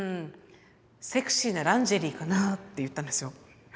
セクシーなランジェリーかなって言ったんですよ。